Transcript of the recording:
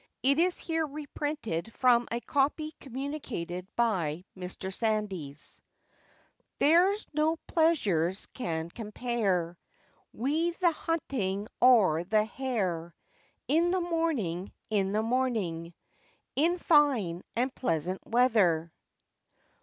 It is here reprinted from a copy communicated by Mr. Sandys.] THERE'S no pleasures can compare Wi' the hunting o' the hare, In the morning, in the morning, In fine and pleasant weather.